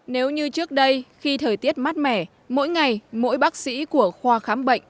nếu như trước đây khi thời tiết mát mẻ mỗi ngày mỗi bác sĩ của khoa khám bệnh